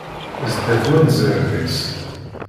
Zdat wanzaren-is.